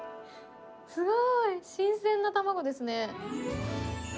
すごーい、新鮮な卵ですね。